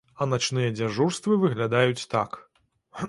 А начныя дзяжурствы выглядаюць так.